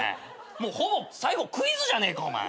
もうほぼ最後クイズじゃねえかお前。